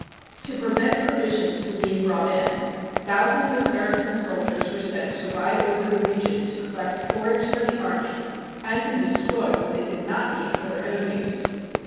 To prevent provisions being brought in, thou sands of Saracen soldiers were sent to ride over the region to collect forage for the army and to de stroy what they did not need for their own use.